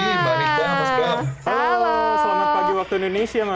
halo selamat pagi waktu indonesia mas